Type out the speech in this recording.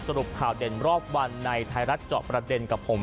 สรุปข่าวเด่นรอบวันในไทยรัฐเจาะประเด็นกับผม